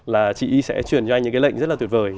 là chị y sẽ truyền cho anh những cái lệnh rất là tuyệt vời